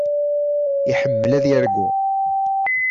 Iḥemmel ad yargu.